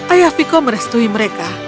ayah viko merestui mereka